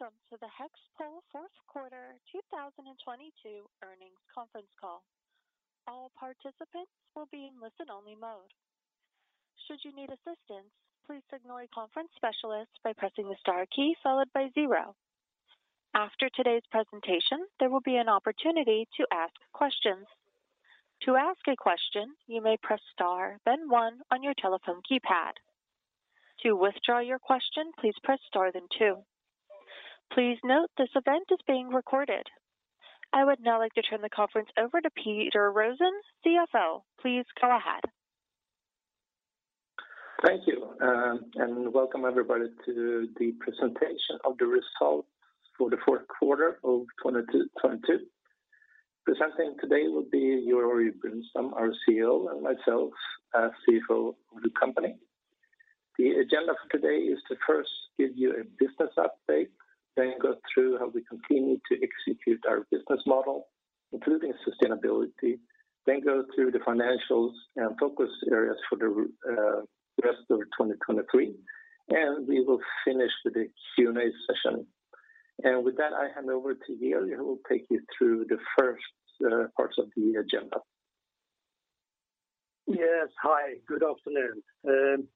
Good day and welcome to the HEXPOL fourth quarter 2022 earnings conference call. All participants will be in listen only mode. Should you need assistance, please signal a conference specialist by pressing the star key followed by zero. After today's presentation, there will be an opportunity to ask questions. To ask a question, you may press star then one on your telephone keypad. To withdraw your question, please press star then two. Please note this event is being recorded. I would now like to turn the conference over to Peter Rosén, CFO. Please go ahead. Thank you. Welcome everybody to the presentation of the results for the fourth quarter of 2022. Presenting today will be Georg Brunstam, our CEO, and myself as CFO of the company. The agenda for today is to first give you a business update, then go through how we continue to execute our business model, including sustainability, then go through the financials and focus areas for the rest of 2023, and we will finish with a Q&A session. With that, I hand over to Georg who will take you through the first parts of the agenda. Yes. Hi, good afternoon.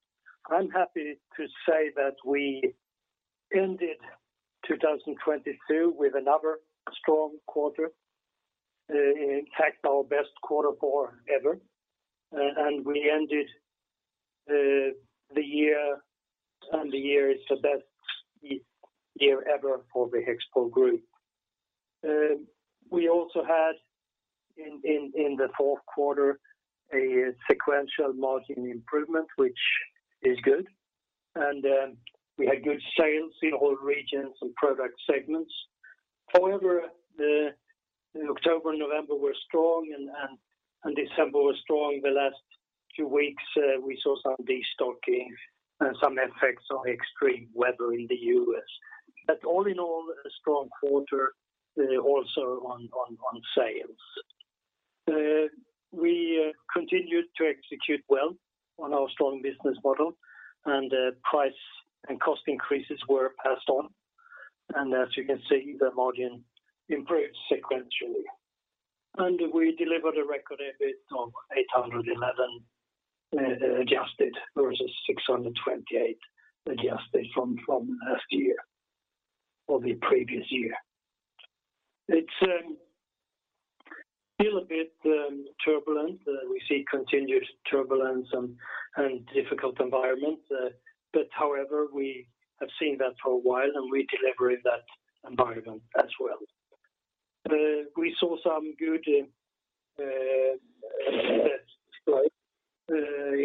I'm happy to say that we ended 2022 with another strong quarter. In fact, our best quarter four ever. We ended the year, and the year is the best year ever for the HEXPOL Group. We also had in the fourth quarter a sequential margin improvement, which is good. We had good sales in all regions and product segments. However, the October and November were strong and December was strong. The last few weeks, we saw some destocking and some effects of extreme weather in the U.S. All in all, a strong quarter, also on sales. We continued to execute well on our strong business model, and price and cost increases were passed on. As you can see, the margin improved sequentially. We delivered a record EBIT of 811 adjusted versus 628 adjusted from last year or the previous year. It's still a bit turbulent. We see continued turbulence and difficult environment, but however, we have seen that for a while, and we deliberate that environment as well. We saw some good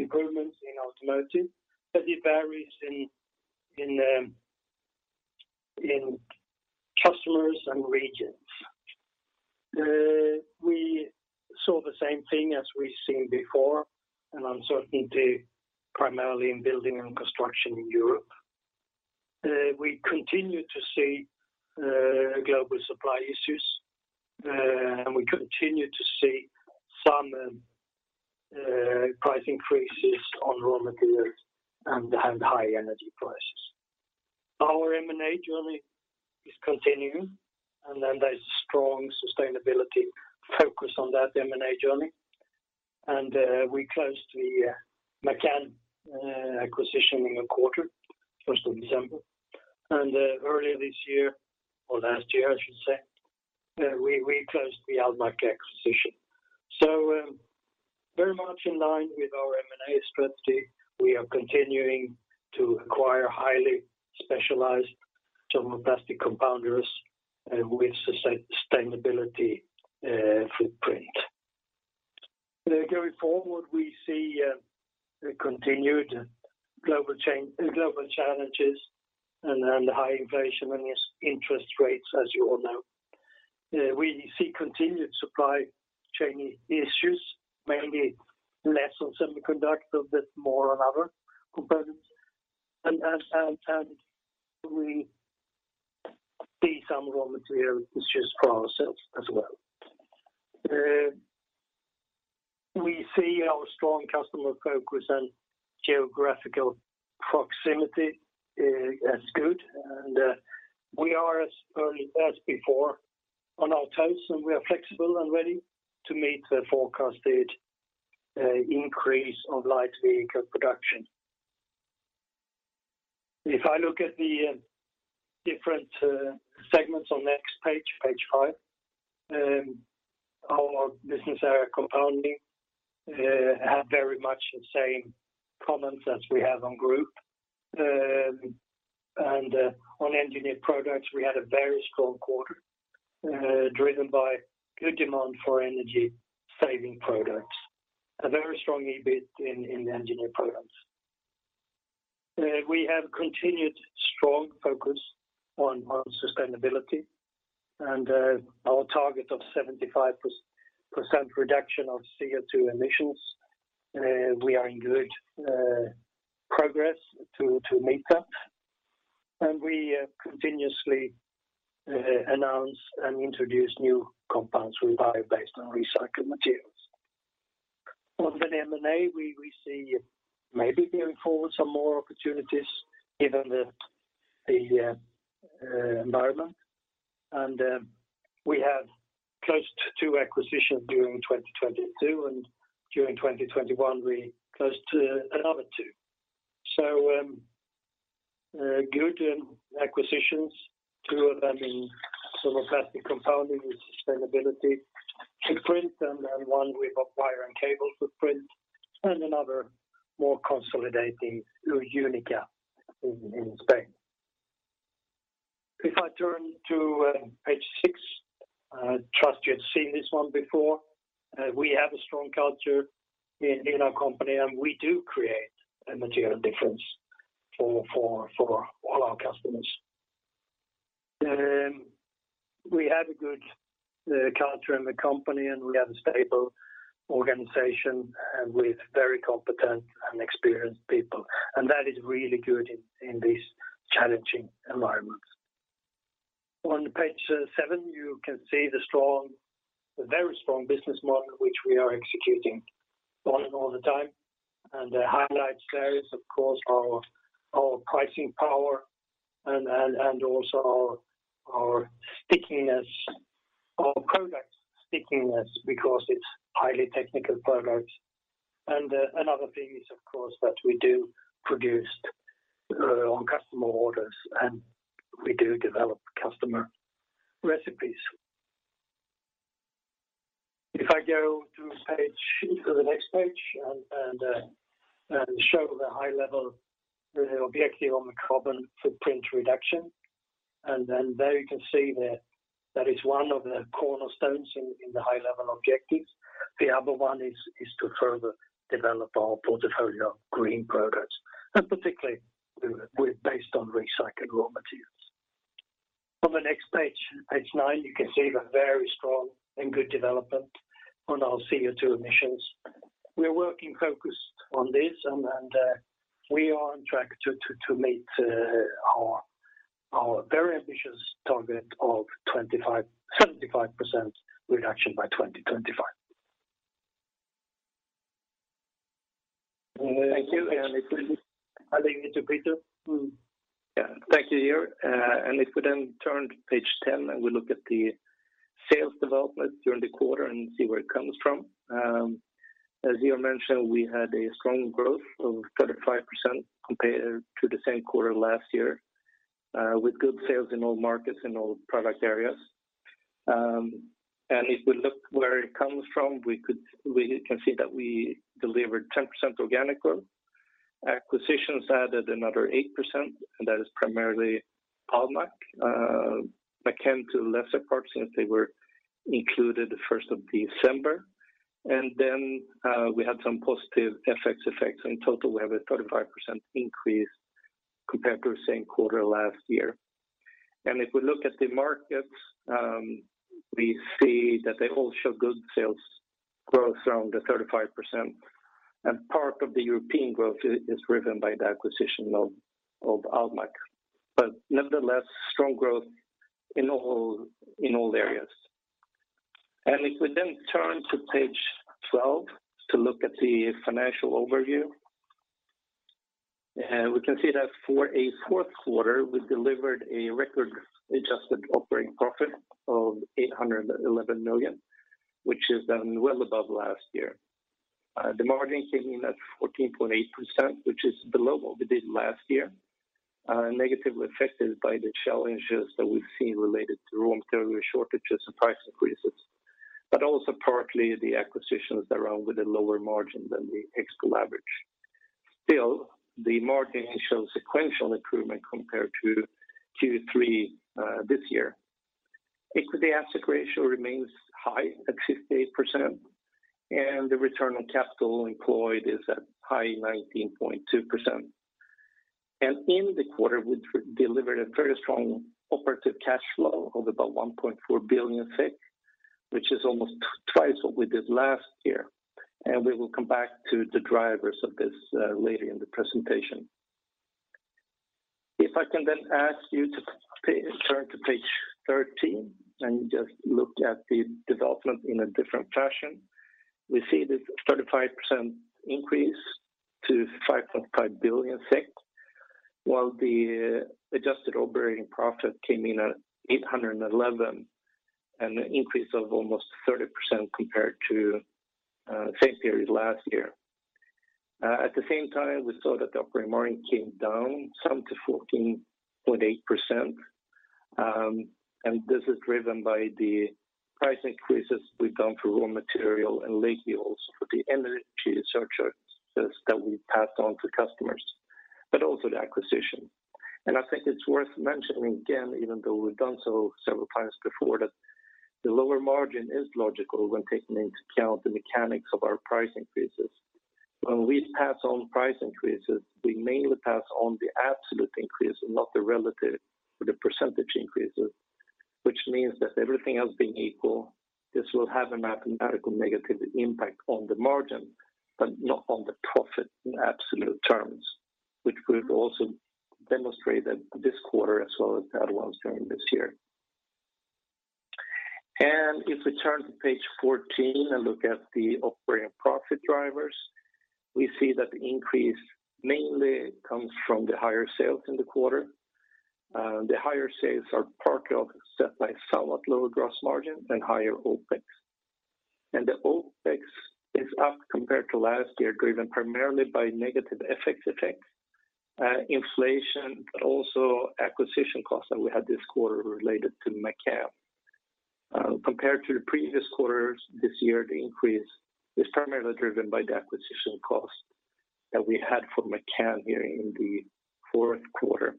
improvements in automotive, but it varies in customers and regions. We saw the same thing as we've seen before, an uncertainty primarily in building and construction in Europe. We continue to see global supply issues, and we continue to see some price increases on raw materials and high energy prices. Our M&A journey is continuing, there's a strong sustainability focus on that M&A journey. We closed the McCann acquisition in the quarter, first of December. Earlier this year or last year, I should say, we closed the Almaak acquisition. Very much in line with our M&A strategy, we are continuing to acquire highly specialized thermoplastic compounders with sustainability footprint. Going forward, we see continued global challenges and high inflation and interest rates, as you all know. We see continued supply chain issues, mainly less on semiconductors, but more on other components. We see some raw material issues for ourselves as well. We see our strong customer focus and geographical proximity as good. We are as early as before on our toes, and we are flexible and ready to meet the forecasted increase of light vehicle production. If I look at the different segments on next page 5, our business area compounding have very much the same comments as we have on group. On engineered products, we had a very strong quarter, driven by good demand for energy saving products. A very strong EBIT in the engineered products. We have continued strong focus on sustainability and our target of 75% reduction of CO2 emissions. We are in good progress to meet that. We continuously announce and introduce new compounds with bio-based and recycled materials. On the M&A, we see maybe going forward some more opportunities given the environment. We have close to two acquisitions during 2022, and during 2021, we closed another two. Good acquisitions, two of them in thermoplastic compounding with sustainability footprint and one with wire and cable footprint, and another more consolidating through Unica in Spain. If I turn to page 6, I trust you have seen this one before. We have a strong culture in our company, and we do create a material difference for all our customers. We have a good culture in the company, and we have a stable organization with very competent and experienced people. That is really good in this challenging environment. On page 7, you can see the very strong business model which we are executing on all the time. The highlights there is, of course, our pricing power and also our stickiness, our product stickiness because it's highly technical products. Another thing is, of course, that we do produce on customer orders, and we do develop customer recipes. If I go to the next page and show the high level objective on the carbon footprint reduction. There you can see that is one of the cornerstones in the high level objectives. The other one is to further develop our portfolio of green products, and particularly with based on recycled raw materials. On the next page 9, you can see the very strong and good development on our CO2 emissions. We're working focused on this and we are on track to meet our very ambitious target of 75% reduction by 2025. Thank you. I'll leave it to Peter. Yeah. Thank you, Georg. If we then turn to page 10, and we look at the sales development during the quarter and see where it comes from. As Georg mentioned, we had a strong growth of 35% compared to the same quarter last year, with good sales in all markets, in all product areas. If we look where it comes from, we can see that we delivered 10% organic growth. Acquisitions added another 8%, and that is primarily Almaak. McCann to a lesser part since they were included the first of December. Then, we had some positive FX effects. In total, we have a 35% increase compared to the same quarter last year. If we look at the markets, we see that they all show good sales growth around the 35%. Part of the European growth is driven by the acquisition of Almaak. Nevertheless, strong growth in all areas. If we turn to page 12 to look at the financial overview. We can see that for a fourth quarter, we delivered a record adjusted operating profit of 811 million, which is well above last year. The margin came in at 14.8%, which is below what we did last year, negatively affected by the challenges that we've seen related to raw material shortages and price increases, but also partly the acquisitions that are with a lower margin than the HEXPOL average. Still, the margin shows sequential improvement compared to Q3 this year. Equity asset ratio remains high at 58%, and the return on capital employed is at high 19.2%. In the quarter, we delivered a very strong operating cash flow of about 1.4 billion, which is almost twice what we did last year. We will come back to the drivers of this later in the presentation. If I can then ask you to turn to page 13 and just look at the development in a different fashion. We see this 35% increase to 5.5 billion SEK, while the adjusted operating profit came in at 811, an increase of almost 30% compared to the same period last year. At the same time, we saw that the operating margin came down some to 14.8%. This is driven by the price increases we've done for raw material and late deals for the energy surcharges that we passed on to customers, but also the acquisition. I think it's worth mentioning again, even though we've done so several times before, that the lower margin is logical when taking into account the mechanics of our price increases. When we pass on price increases, we mainly pass on the absolute increase, not the relative or the percentage increases, which means that everything else being equal, this will have a mathematical negative impact on the margin, but not on the profit in absolute terms, which we've also demonstrated this quarter as well as the other ones during this year. If we turn to page 14 and look at the operating profit drivers, we see that the increase mainly comes from the higher sales in the quarter. The higher sales are partly offset by somewhat lower gross margin and higher OpEx. The OpEx is up compared to last year, driven primarily by negative FX effects, inflation, but also acquisition costs that we had this quarter related to McCann. Compared to the previous quarters this year, the increase is primarily driven by the acquisition cost that we had for McCann here in the fourth quarter.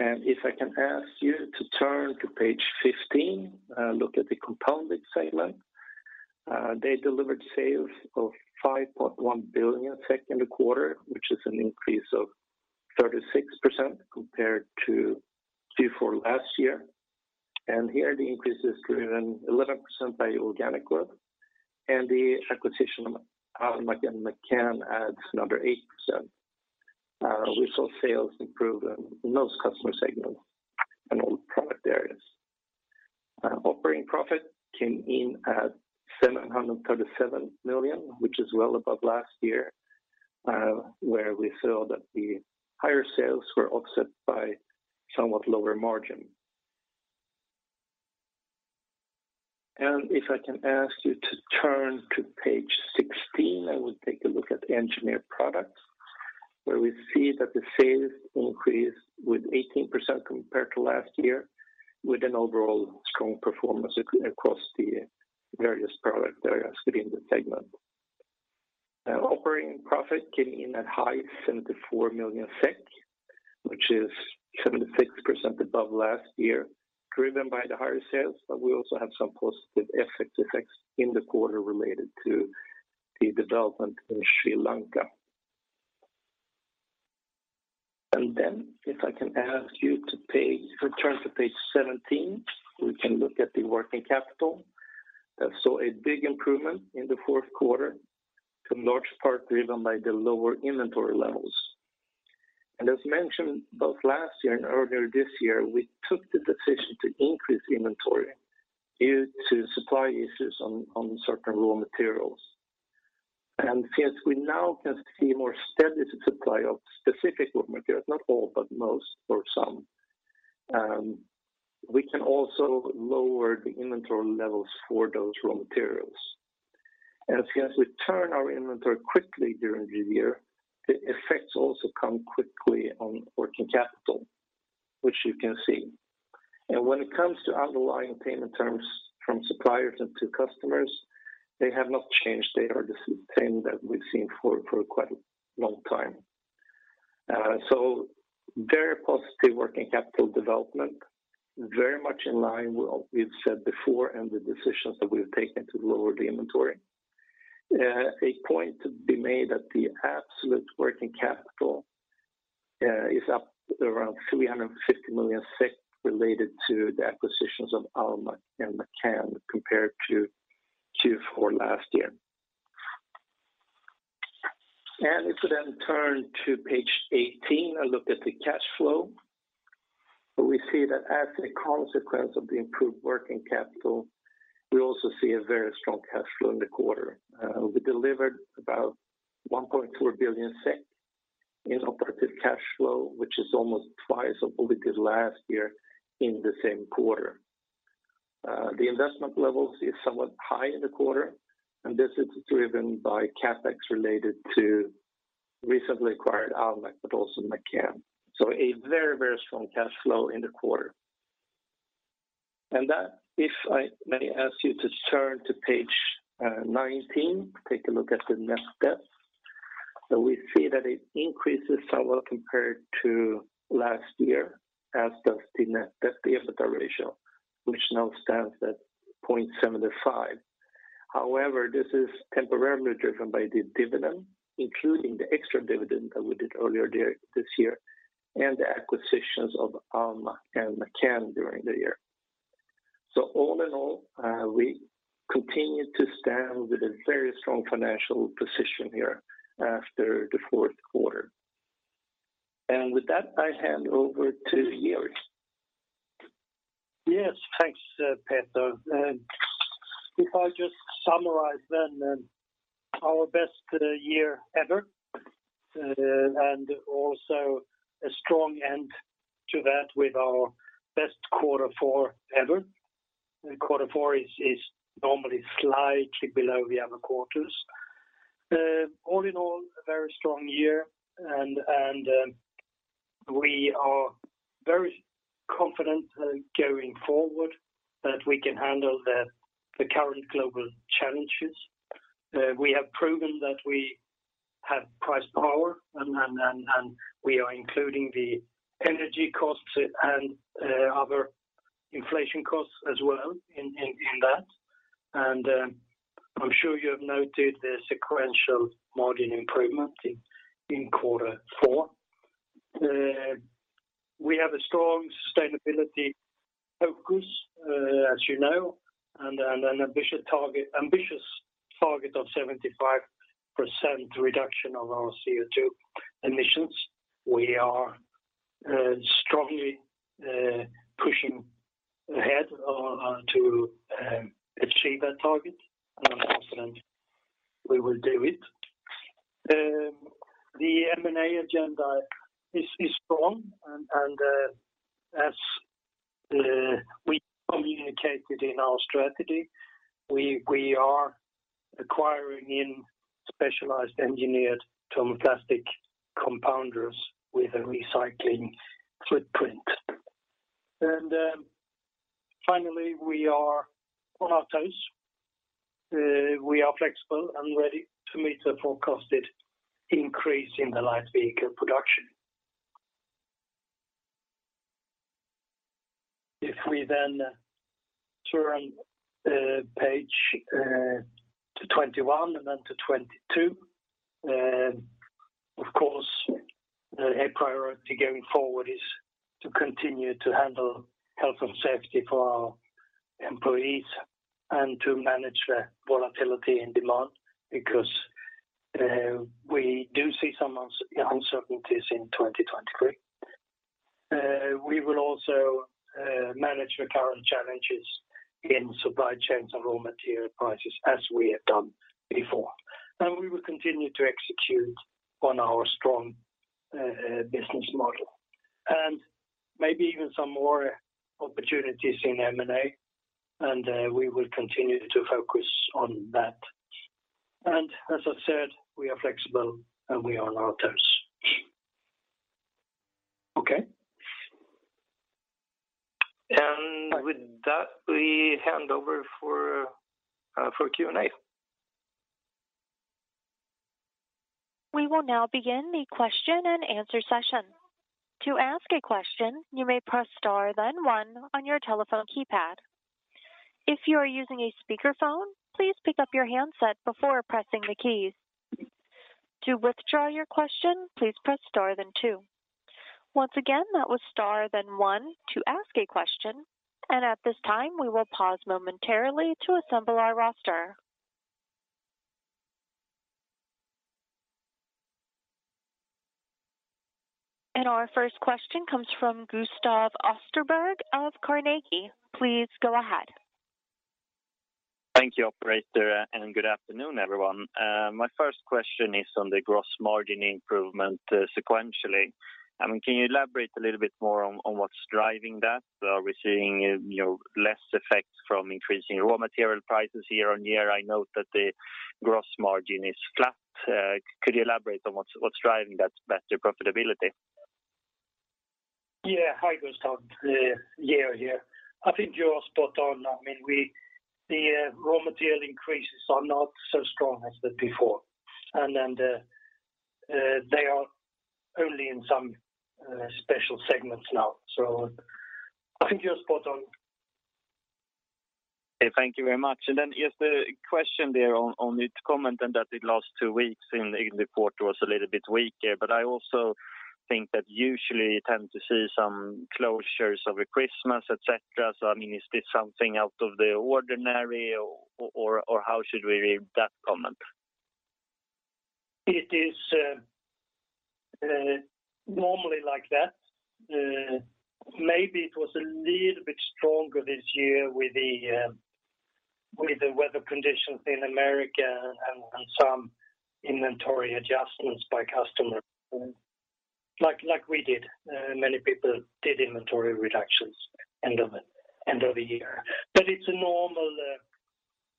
If I can ask you to turn to page 15, look at the compounded segment. They delivered sales of 5.1 billion in the quarter, which is an increase of 36% compared to Q4 last year. Here the increase is driven 11% by organic growth, and the acquisition of Almaak and McCann adds another 8%. We saw sales improve in most customer segments and all product areas. Operating profit came in at 737 million, which is well above last year, where we saw that the higher sales were offset by somewhat lower margin. If I can ask you to turn to page 16, I will take a look at engineered products, where we see that the sales increased with 18% compared to last year, with an overall strong performance across the various product areas within the segment. Operating profit came in at high 74 million SEK, which is 76% above last year, driven by the higher sales, but we also have some positive FX effects in the quarter related to the development in Sri Lanka. If I can ask you to turn to page 17, we can look at the working capital. I saw a big improvement in the fourth quarter, to large part driven by the lower inventory levels. As mentioned both last year and earlier this year, we took the decision to increase inventory due to supply issues on certain raw materials. Since we now can see more steady supply of specific raw materials, not all, but most or some, we can also lower the inventory levels for those raw materials. As we turn our inventory quickly during the year, the effects also come quickly on working capital, which you can see. When it comes to underlying payment terms from suppliers and to customers, they have not changed. They are the same that we've seen for quite a long time. Very positive working capital development, very much in line with what we've said before and the decisions that we've taken to lower the inventory. A point to be made that the absolute working capital is up around 350 million SEK related to the acquisitions of Almaak and McCann compared to Q4 last year. If we turn to page 18 and look at the cash flow, we see that as a consequence of the improved working capital, we also see a very strong cash flow in the quarter. We delivered about 1.2 billion in operative cash flow, which is almost twice of what we did last year in the same quarter. The investment levels is somewhat high in the quarter, this is driven by CapEx related to recently acquired Almaak, but also McCann. A very, very strong cash flow in the quarter. That, if I may ask you to turn to page 19, take a look at the net debt. We see that it increases somewhat compared to last year as does the net debt to EBITDA ratio, which now stands at 0.75. However, this is temporarily driven by the dividend, including the extra dividend that we did earlier this year and the acquisitions of Almaak and McCann during the year. All in all, we continue to stand with a very strong financial position here after the fourth quarter. With that, I hand over to Georg. Thanks, Peter. If I just summarize then, our best year ever, and also a strong end to that with our best quarter four ever. Quarter four is normally slightly below the other quarters. All in all, a very strong year and we are very confident going forward that we can handle the current global challenges. We have proven that we have price power and we are including the energy costs and other inflation costs as well in that. I'm sure you have noted the sequential margin improvement in quarter four. We have a strong sustainability focus, as you know, and an ambitious target of 75% reduction of our CO2 emissions. We are strongly pushing ahead to achieve that target, and I'm confident we will do it. The M&A agenda is strong and, as we communicated in our strategy, we are acquiring in specialized engineered thermoplastic compounders with a recycling footprint. Finally, we are on our toes. We are flexible and ready to meet the forecasted increase in the light vehicle production. We turn page to 21 and to 22. Of course, the priority going forward is to continue to handle health and safety for our employees and to manage the volatility and demand because we do see some uncertainties in 2023. We will also manage the current challenges in supply chains and raw material prices as we have done before. We will continue to execute on our strong business model. Maybe even some more opportunities in M&A, we will continue to focus on that. As I said, we are flexible and we are on our toes. With that, we hand over for Q&A. We will now begin the question and answer session. To ask a question, you may press star then one on your telephone keypad. If you are using a speakerphone, please pick up your handset before pressing the keys. To withdraw your question, please press star then two. Once again, that was star then one to ask a question. At this time, we will pause momentarily to assemble our roster. Our first question comes from Gustav Österberg of Carnegie. Please go ahead. Thank you, operator. Good afternoon, everyone. My first question is on the gross margin improvement, sequentially. I mean, can you elaborate a little bit more on what's driving that? Are we seeing, you know, less effect from increasing raw material prices year-on-year? I know that the gross margin is flat. Could you elaborate on what's driving that better profitability? Hi, Gustav. Georg here. I think you are spot on. I mean, the raw material increases are not so strong as that before. They are only in some special segments now. I think you're spot on. Thank you very much. Just a question there on its comment and that the last two weeks in the quarter was a little bit weaker, but I also think that usually you tend to see some closures over Christmas, et cetera. I mean, is this something out of the ordinary or how should we read that comment? It is normally like that. Maybe it was a little bit stronger this year with the weather conditions in America and some inventory adjustments by customer like we did. Many people did inventory reductions end of the year. It's a normal,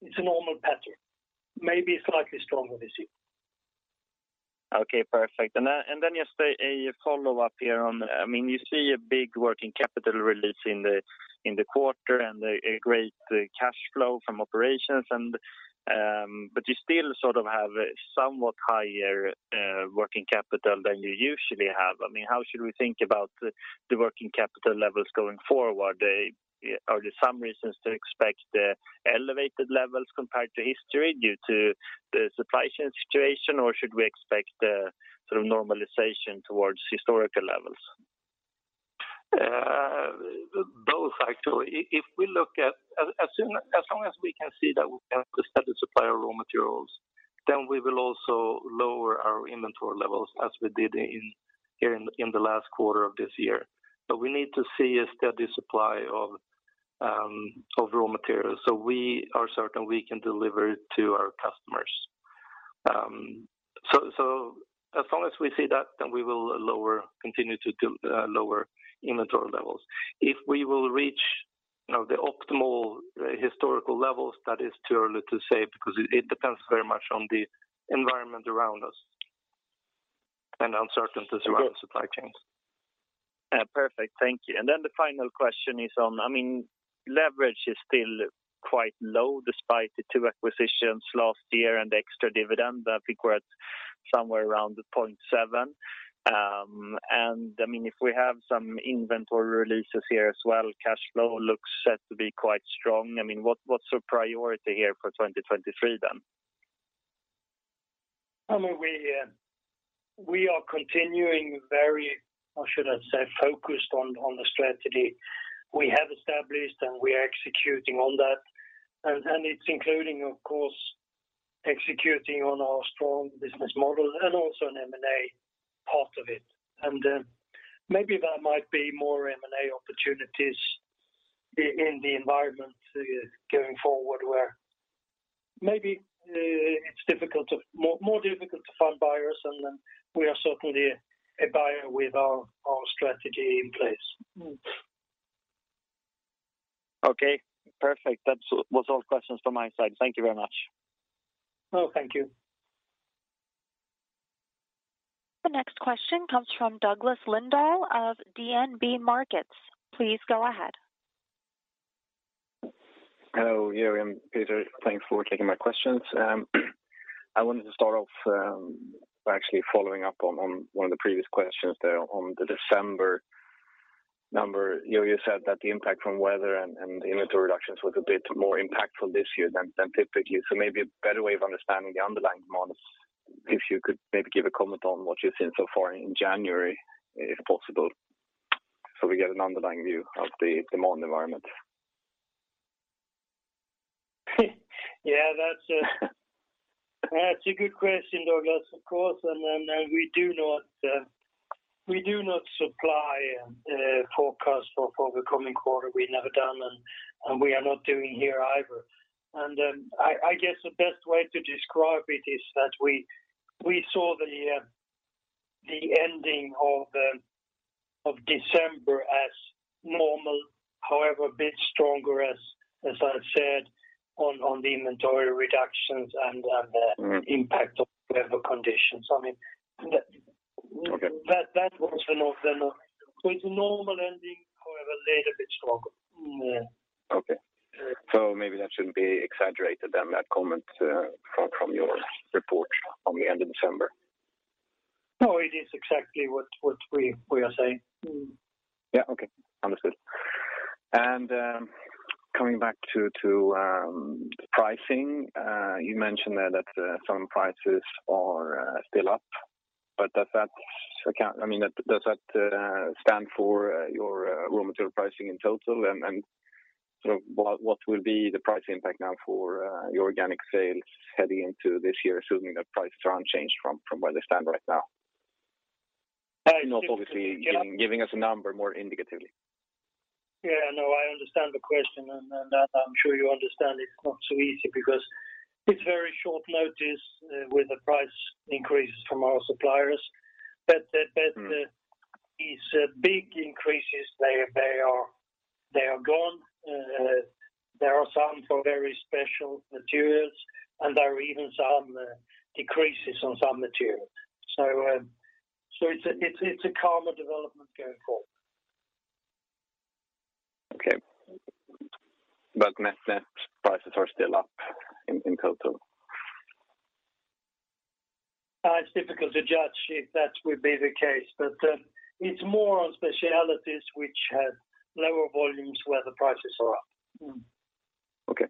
it's a normal pattern, maybe slightly stronger this year. Okay, perfect. Then, and then just a follow-up here on, I mean, you see a big working capital release in the quarter and a great cash flow from operations and, but you still sort of have a somewhat higher working capital than you usually have. I mean, how should we think about the working capital levels going forward? Are there some reasons to expect the elevated levels compared to history due to the supply chain situation, or should we expect the sort of normalization towards historical levels? Both actually. If we look at, as long as we can see that we can have a steady supply of raw materials, then we will also lower our inventory levels as we did in, here in the last quarter of this year. We need to see a steady supply of raw materials, so we are certain we can deliver to our customers. As long as we see that, then we will lower, continue to do, lower inventory levels. If we will reach, you know, the optimal historical levels, that is too early to say because it depends very much on the environment around us and uncertainties around supply chains. Perfect. Thank you. Then the final question is on, I mean, leverage is still quite low despite the two acquisitions last year and the extra dividend. I think we're at somewhere around 0.7. I mean, if we have some inventory releases here as well, cash flow looks set to be quite strong. I mean, what's your priority here for 2023 then? I mean, we are continuing very, or should I say, focused on the strategy we have established, and we are executing on that. It's including, of course, executing on our strong business model and also an M&A part of it. Maybe there might be more M&A opportunities in the environment going forward, where maybe it's more difficult to find buyers, and then we are certainly a buyer with our strategy in place. Okay, perfect. That was all the questions from my side. Thank you very much. No, thank you. The next question comes from Douglas Lindahl of DNB Markets. Please go ahead. Hello. Georg, Peter, thanks for taking my questions. I wanted to start off by actually following up on one of the previous questions there on the December number. You said that the impact from weather and the inventory reductions was a bit more impactful this year than typically. Maybe a better way of understanding the underlying models, if you could maybe give a comment on what you've seen so far in January, if possible, so we get an underlying view of the modern environment. That's a good question, Douglas. Of course, we do not, we do not supply forecast for the coming quarter. We've never done, and we are not doing here either. I guess the best way to describe it is that we saw the ending of December as normal, however a bit stronger, as I said, on the inventory reductions and the- Mm-hmm. -impact of weather conditions. I mean, that- Okay. That was the north. It's a normal ending, however a little bit stronger. Yeah. Okay. Maybe that shouldn't be exaggerated then, that comment, from your report on the end of December. No, it is exactly what we are saying. Yeah, okay. Understood. Coming back to the pricing, you mentioned that some prices are still up, but I mean, does that stand for your raw material pricing in total? Sort of what will be the price impact now for your organic sales heading into this year, assuming that prices are unchanged from where they stand right now? I think- You're not obviously giving us a number, more indicatively. Yeah, no, I understand the question and I'm sure you understand it's not so easy because it's very short notice, with the price increases from our suppliers. The. Mm-hmm. These big increases, they are gone. There are some for very special materials, and there are even some decreases on some materials. It's a calmer development going forward. Okay. Net prices are still up in total? It's difficult to judge if that would be the case, but it's more on specialties which have lower volumes where the prices are up. Okay.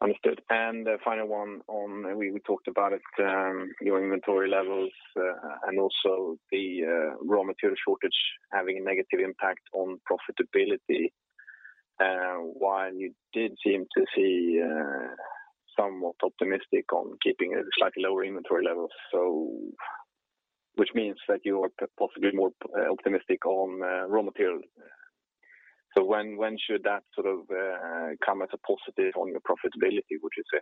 Understood. A final one on... We talked about it, your inventory levels, and also the raw material shortage having a negative impact on profitability. You did seem to see somewhat optimistic on keeping a slightly lower inventory levels, which means that you are possibly more optimistic on raw materials. When should that sort of come as a positive on your profitability, would you say?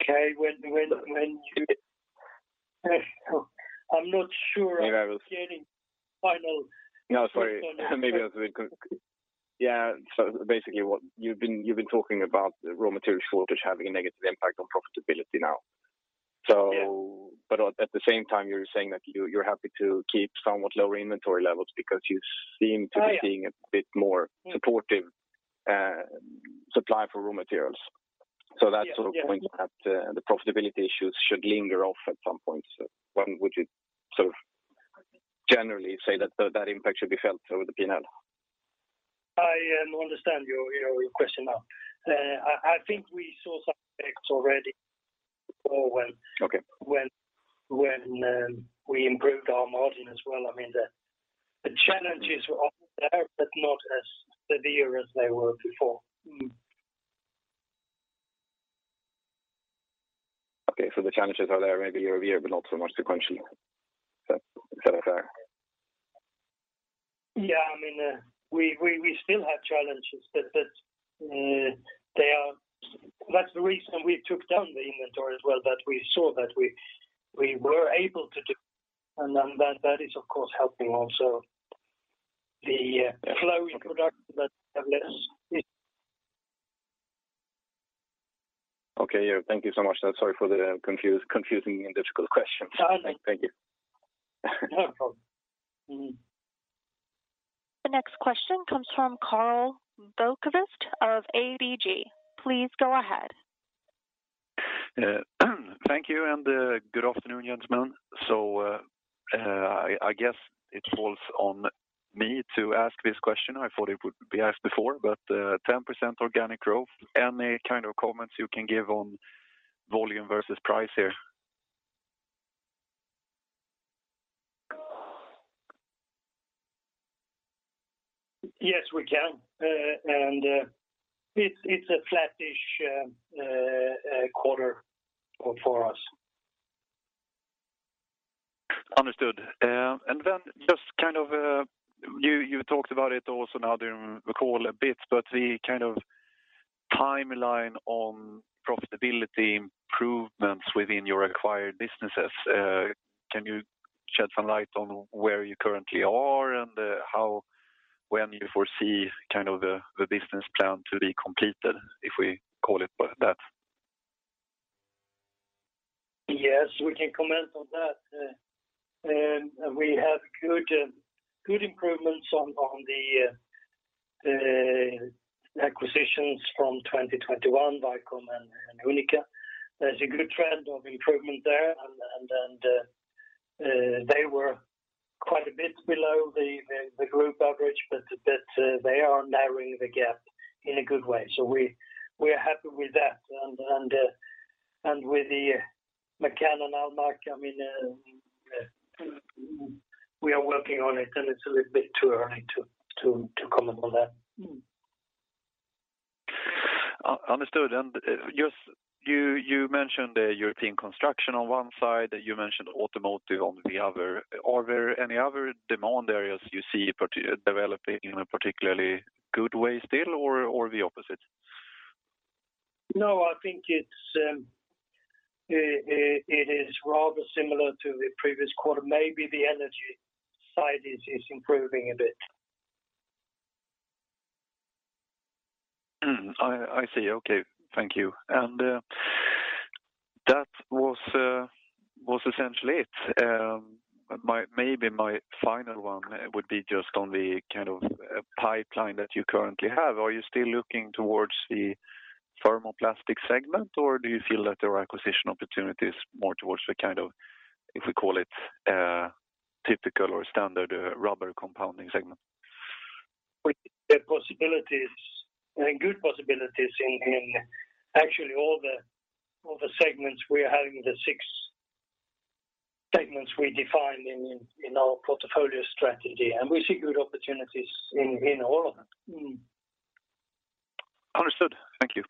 Okay. When you... I'm not sure. Maybe I will- I'm getting final- No, sorry. Maybe I'll do it. Yeah. Basically what you've been talking about the raw material shortage having a negative impact on profitability now. Yeah. At the same time, you're saying that you're happy to keep somewhat lower inventory levels because you seem to be. Oh, yeah. Seeing a bit more supportive, supply for raw materials. Yeah. Yeah. That sort of points that the profitability issues should linger off at some point. When would you sort of generally say that impact should be felt over the P&L? I understand your question now. I think we saw some effects already before. Okay. When we improved our margin as well. I mean, the challenges were always there, but not as severe as they were before. Mm-hmm. Okay. The challenges are there maybe year-over-year, but not so much sequentially. Is that fair? Yeah. I mean, we still have challenges, but they are. That's the reason we took down the inventory as well, that we saw that we were able to do. That is, of course, helping also the flow in product that have less issue. Okay. Yeah. Thank you so much then. Sorry for the confusing and difficult question. No. Thank you. No problem. Mm-hmm. The next question comes from Karl Bokvist of ABG Sundal Collier. Please go ahead. Thank you, good afternoon, gentlemen. I guess it falls on me to ask this question. I thought it would be asked before, 10% organic growth. Any kind of comments you can give on volume versus price here? Yes, we can. It's a flattish quarter for us. Understood. Then just kind of, you talked about it also now during the call a bit, but the kind of timeline on profitability improvements within your acquired businesses, can you shed some light on where you currently are and, when you foresee kind of the business plan to be completed, if we call it that? Yes, we can comment on that. We have good improvements on the acquisitions from 2021, VICOM and Unica. There's a good trend of improvement there. They were quite a bit below the group average, but they are narrowing the gap in a good way. We are happy with that. With the McCann and Almaak, I mean, we are working on it and it's a little bit too early to comment on that. Understood. just you mentioned the European construction on one side, you mentioned automotive on the other. Are there any other demand areas you see developing in a particularly good way still or the opposite? No, I think it's, it is rather similar to the previous quarter. Maybe the energy side is improving a bit. I see. Okay. Thank you. That was essentially it. Maybe my final one would be just on the kind of pipeline that you currently have. Are you still looking towards the thermoplastic segment, or do you feel that there are acquisition opportunities more towards the kind of, if we call it, typical or standard rubber compounding segment? There are possibilities and good possibilities in actually all the segments. We are having the six segments we defined in our portfolio strategy. We see good opportunities in all of them. Understood. Thank you.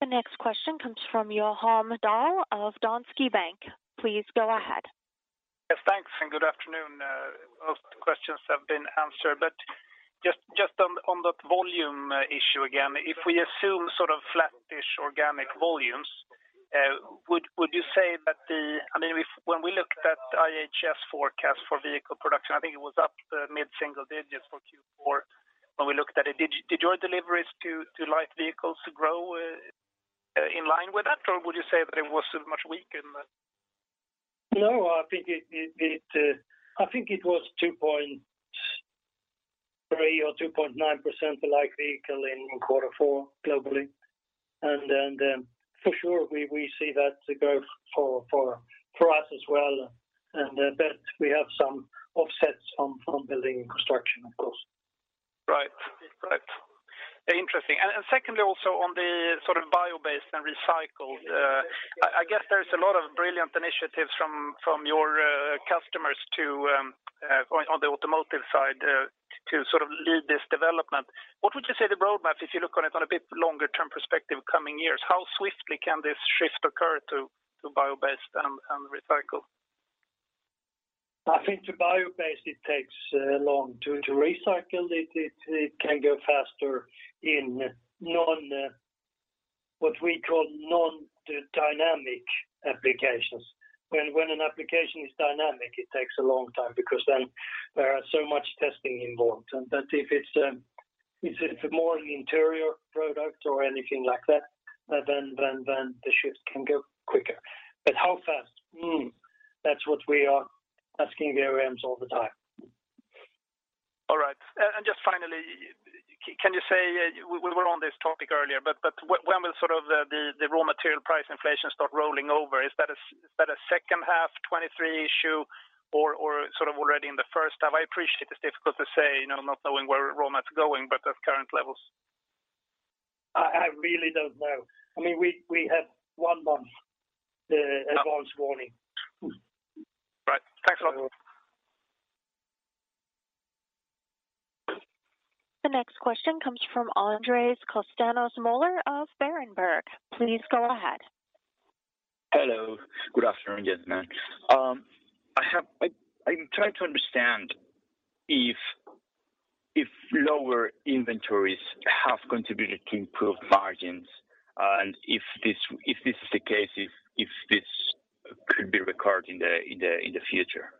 The next question comes from Johan Dahl of Danske Bank. Please go ahead. Yes, thanks, and good afternoon. Most questions have been answered. Just on that volume issue again, if we assume sort of flattish organic volumes, would you say that the... I mean, if when we looked at IHS forecast for vehicle production, I think it was up mid-single digits for Q4 when we looked at it. Did your deliveries to light vehicles grow in line with that? Would you say that it was much weaker than that? No, I think it was 2.3% or 2.9% for light vehicle in Q4 globally. For sure, we see that growth for us as well. But we have some offsets from building and construction, of course. Right. Right. Interesting. Secondly, also on the sort of bio-based and recycled, I guess there's a lot of brilliant initiatives from your customers to on the automotive side to sort of lead this development. What would you say the roadmap, if you look on it on a bit longer term perspective coming years? How swiftly can this shift occur to bio-based and recycled? I think the bio-based, it takes long to recycle. It can go faster in non, what we call non-dynamic applications. When an application is dynamic, it takes a long time because then there are so much testing involved. If it's, if it's more an interior product or anything like that, then the shift can go quicker. How fast? That's what we are asking the OEMs all the time. All right. Just finally, can you say... We were on this topic earlier, when will sort of the raw material price inflation start rolling over? Is that a second half 2023 issue or sort of already in the first half? I appreciate it's difficult to say, you know, not knowing where raw mat's going, but at current levels. I really don't know. I mean, we have one month advance warning. Right. Thanks a lot. The next question comes from Andres Castanos-Mollor of Berenberg. Please go ahead. Hello. Good afternoon, gentlemen. I'm trying to understand if lower inventories have contributed to improved margins, and if this is the case, if this could be recorded in the future.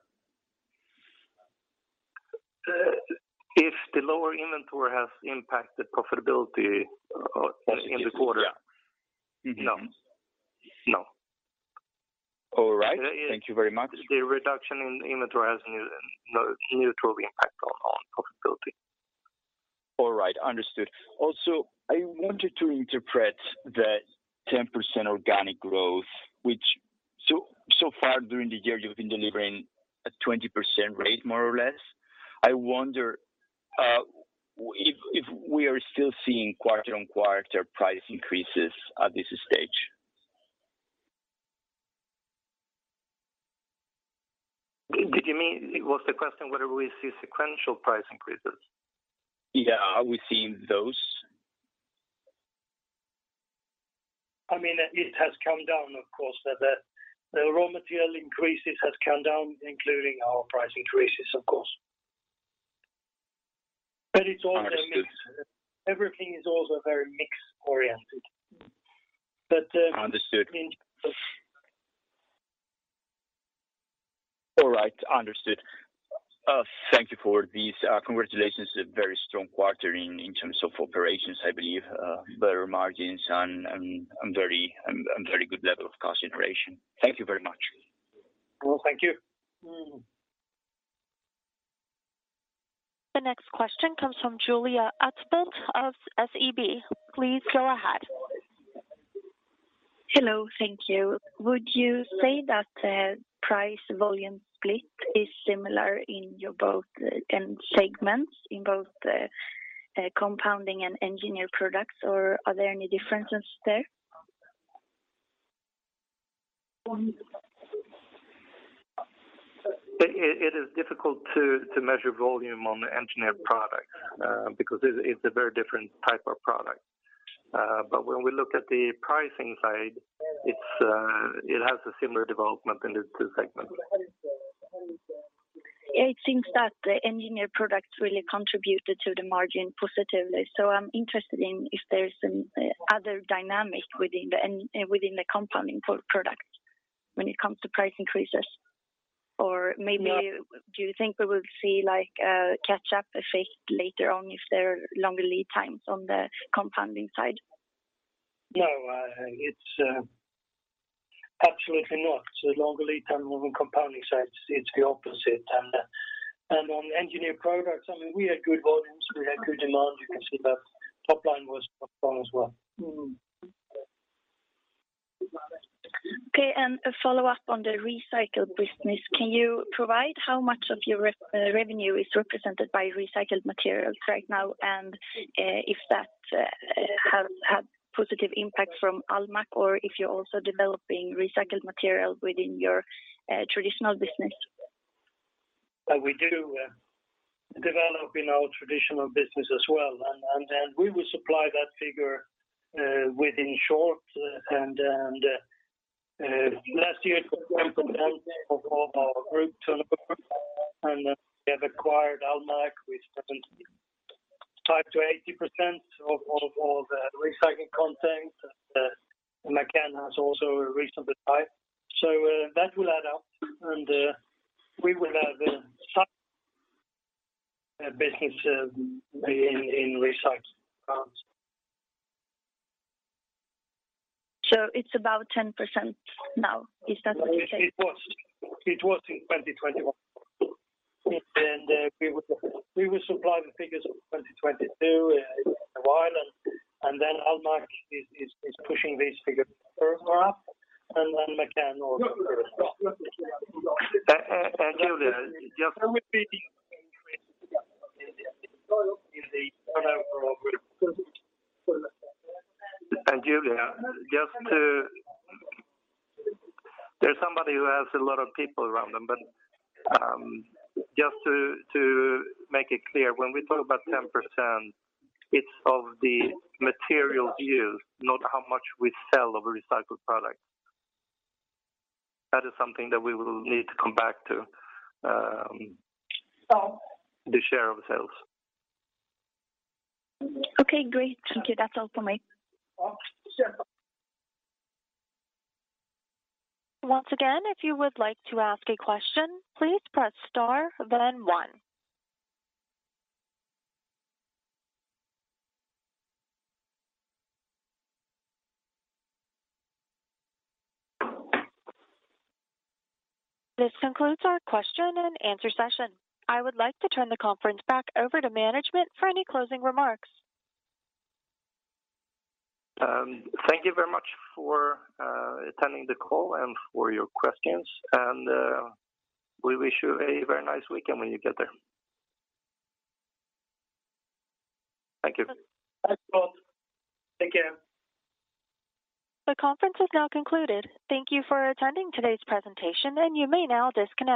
If the lower inventory has impacted profitability, in the quarter? Yeah. No. No. All right. Thank you very much. The reduction in inventory has neutral impact on profitability. All right. Understood. I wanted to interpret the 10% organic growth, which so far during the year you've been delivering a 20% rate more or less. I wonder, If we are still seeing quarter-on-quarter price increases at this stage? Was the question whether we see sequential price increases? Yeah. Are we seeing those? I mean, it has come down, of course. The raw material increases has come down, including our price increases, of course. Understood. Everything is also very mix-oriented. Understood. All right. Understood. Thank you for this. Congratulations. A very strong quarter in terms of operations, I believe, better margins and very good level of cost generation. Thank you very much. Well, thank you. The next question comes from Julia Lifvendahl of SEB. Please go ahead. Hello. Thank you. Would you say that the price volume split is similar in your both end segments, in both, compounding and engineered products, or are there any differences there? It is difficult to measure volume on the engineered products, because it's a very different type of product. When we look at the pricing side, it's, it has a similar development in the two segments. It seems that the engineered products really contributed to the margin positively. I'm interested in if there is some other dynamic within the compounding product when it comes to price increases. Or maybe. No. Do you think we will see, like, a catch-up effect later on if there are longer lead times on the compounding side? No, it's absolutely not. The longer lead time on compounding side, it's the opposite. On engineered products, I mean, we had good volumes, we had good demand. You can see that top line was strong as well. Okay. A follow-up on the recycled business. Can you provide how much of your revenue is represented by recycled materials right now? If that has had positive impact from Almaak or if you're also developing recycled material within your traditional business? We do develop in our traditional business as well. Then we will supply that figure within short. Last year it was 1% of all our group turnover. We have acquired Almaak, which is 75%-80% of all the recycling content. McCann has also recently acquired. That will add up, and we will have a business in recycling. It's about 10% now. Is that what you're saying? It was in 2021. We will supply the figures of 2022 in a while. Then Almaak is pushing these figures further up and then McCann also. Julia, just to. There's somebody who has a lot of people around them. Just to make it clear, when we talk about 10%, it's of the material used, not how much we sell of recycled products. That is something that we will need to come back to, the share of sales. Okay, great. Thank you. That's all for me. If you would like to ask a question, please press star then one. This concludes our question and answer session. I would like to turn the conference back over to management for any closing remarks. Thank you very much for attending the call and for your questions. We wish you a very nice weekend when you get there. Thank you. Thanks all. Take care. The conference has now concluded. Thank you for attending today's presentation. You may now disconnect.